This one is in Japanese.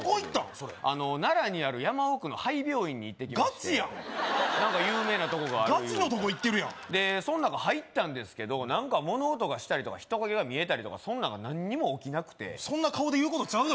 それ奈良の山奥の廃病院に行きましてガチやん何か有名なとこがあるいうてガチのとこ行ってるやんでその中入ったんですけど何か物音がしたりとか人影が見えたりとかそんなんが何も起きなくてそんな顔で言うことちゃうよ